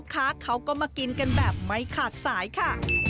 เขาก็มากินกันแบบไม่ขาดสายค่ะ